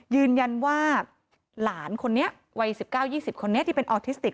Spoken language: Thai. ยืนยันว่าหลานคนนี้วัย๑๙๒๐คนนี้ที่เป็นออทิสติก